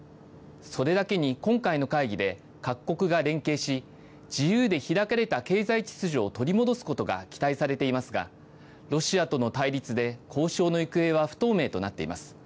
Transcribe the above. それだけに今回の会議で各国が連携し、自由で開かれた経済秩序を取り戻すことが期待されていますが、ロシアとの対立で交渉の行方は不透明となっています。